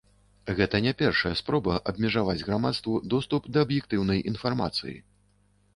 Гэта не першая спроба абмежаваць грамадству доступ да аб'ектыўнай інфармацыі.